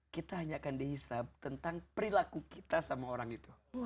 kita hanya akan dihisap tentang perilaku kita sama orang itu